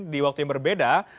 di waktu yang berbeda